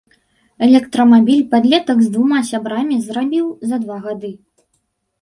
Электрамабіль падлетак з двума сябрамі зрабіў за два гады.